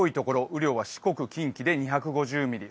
雨量は四国・近畿で２５０ミリ